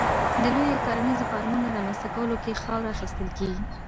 د لویو کرنیزو فارمونو رامنځته کولو کې خاوره اخیستل کېږي.